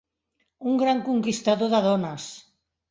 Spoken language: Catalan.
Un gran conquistador de dones.